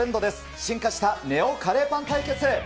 進化したＮＥＯカレーパン対決。